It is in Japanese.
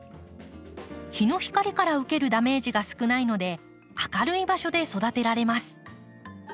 日の光から受けるダメージが少ないので明るい場所で育てられます。